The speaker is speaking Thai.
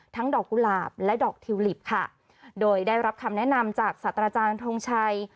ดอกกุหลาบและดอกทิวลิปค่ะโดยได้รับคำแนะนำจากสัตว์อาจารย์ทงชัย